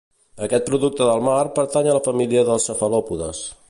Aquest producte del mar pertany a la família dels cefalòpodes